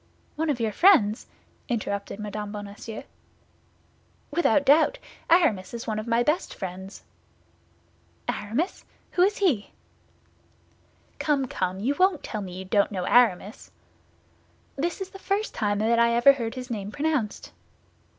"One of your friends?" interrupted Mme. Bonacieux. "Without doubt; Aramis is one of my best friends." "Aramis! Who is he?" "Come, come, you won't tell me you don't know Aramis?" "This is the first time I ever heard his name pronounced."